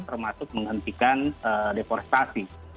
termasuk menghentikan deforestasi